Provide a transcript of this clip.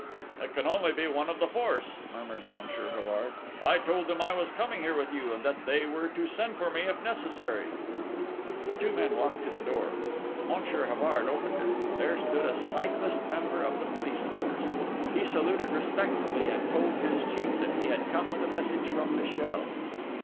"It can only be one of the force," murmured Monsieur Havard. "I told them I was coming here with you, and that they were to send for me if necessary." The two men walked to the door. Monsieur Havard opened it. There stood a cyclist member of the police force. He saluted respectfully, and told his chief that he had come with a message from Michel.